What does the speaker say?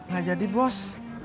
gak jadi bos